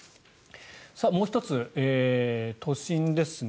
もう１つ、都心ですね。